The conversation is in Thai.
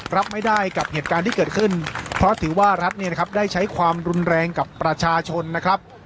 รับไม่ได้กับเหตุการณ์ที่เกิดขึ้นเพราะถือว่ารัฐเนี่ยนะครับได้ใช้ความรุนแรงกับประชาชนนะครับ